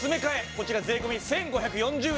こちら税込１５４０円。